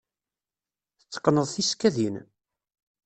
Tetteqqneḍ tisekkadin?